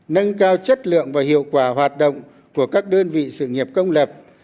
nâng cao chất lượng và hiệu quả hoạt động của các đơn vị sự nghiệp công lập